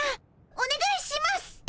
おねがいします。